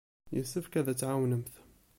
Yessefk ad tt-tɛawnemt.